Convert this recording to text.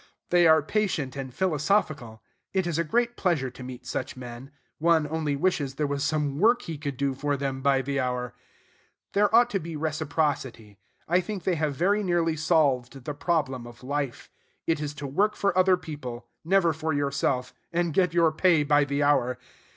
They are patient and philosophical. It is a great pleasure to meet such men. One only wishes there was some work he could do for them by the hour. There ought to be reciprocity. I think they have very nearly solved the problem of Life: it is to work for other people, never for yourself, and get your pay by the hour.